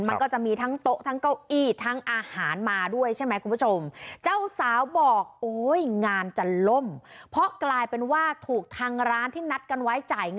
มันก็จะมีทั้งโต๊ะทั้งเก้าอี้ทั้งอาหารมาด้วยใช่ไหมคุณผู้ชม